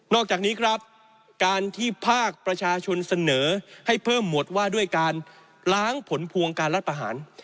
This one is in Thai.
อกจากนี้ครับการที่ภาคประชาชนเสนอให้เพิ่มหมวดว่าด้วยการล้างผลพวงการรัฐประหาร